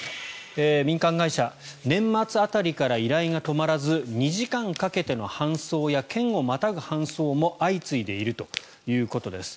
民間会社年末辺りから依頼が止まらず２時間かけての搬送や県をまたぐ搬送も相次いでいるということです。